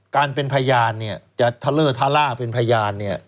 การเป็นพยานเนี่ยจะทะเลอร์ทะล่าเป็นพยานเนี่ย